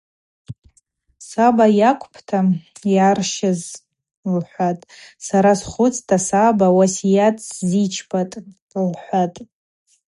Саба йакӏвпӏта йгӏарщыз,— лхӏватӏ,— сара схвыцта саба уасйат сзичпатӏ, — лхӏватӏ.